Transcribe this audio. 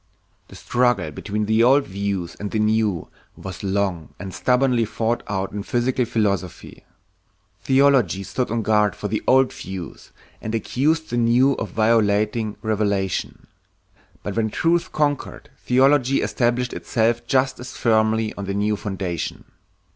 The struggle between the old views and the new was long and stubbornly fought out in physical philosophy. Theology stood on guard for the old views and accused the new of violating revelation. But when truth conquered, theology established itself just as firmly on the new foundation.